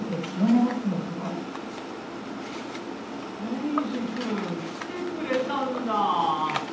エイジ君来てくれたんだ！